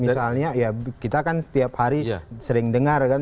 misalnya ya kita kan setiap hari sering dengar kan